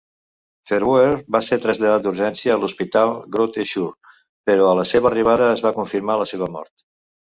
Verwoerd va ser traslladat d'urgència a l'Hospital Groote Schuur, però, a la seva arribada, es va confirmar la seva mort.